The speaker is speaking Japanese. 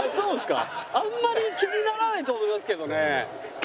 あんまり気にならないと思いますけどね。